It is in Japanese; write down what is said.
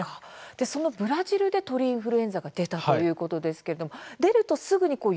そのブラジルで鳥インフルエンザが出たということですけれども出るとすぐに輸入できなくなるんですか。